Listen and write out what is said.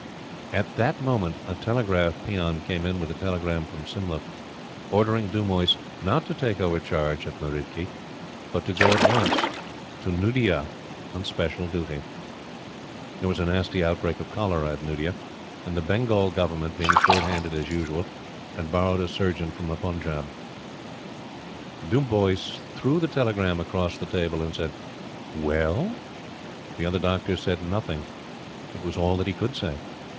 At that moment a telegraph peon came in with a telegram from Simla, ordering Dumoise not to take over charge at Meridki, but to go at once to Nuddea on special duty. There was a nasty outbreak of cholera at Nuddea, and the Bengal Government, being shorthanded, as usual, had borrowed a Surgeon from the Punjab. Dumoise threw the telegram across the table and said: "Well?" The other Doctor said nothing. It was all that he could say.